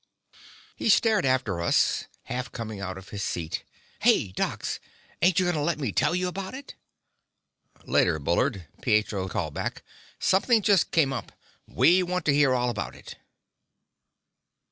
He stared after us, half coming out of his seat. "Hey, docs, ain't you gonna let me tell you about it?" "Later, Bullard," Pietro called back. "Something just came up. We want to hear all about it."